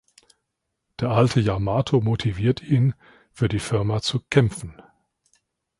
Der alte Yamato motiviert ihn, für die Firma zu „kämpfen“.